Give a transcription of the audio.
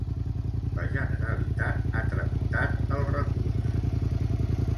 La Generalitat ha tramitat el recurs.